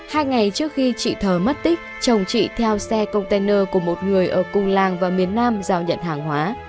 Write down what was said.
hai ngày trước khi chị thờ mất tích chồng chị theo xe container của một người ở cùng làng và miền nam giao nhận hàng hóa